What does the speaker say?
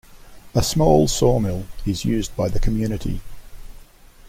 A small sawmill is used by the community.